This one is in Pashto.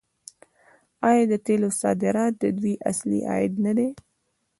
آیا د تیلو صادرات د دوی اصلي عاید نه دی؟